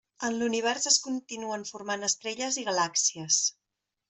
En l'Univers es continuen formant estrelles i galàxies.